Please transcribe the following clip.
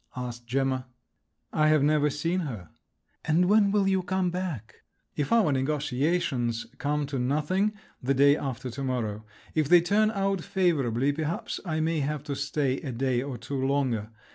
asked Gemma. "I have never seen her." "And when will you come back?" "If our negotiations come to nothing—the day after to morrow; if they turn out favourably, perhaps I may have to stay a day or two longer.